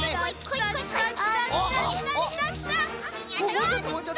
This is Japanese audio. やった！